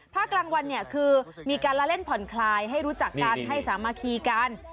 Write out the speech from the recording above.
ภาครังวันเนี่ยคือมีการเล่นผ่อนคลายให้รู้จักการให้สามารถคลีกัน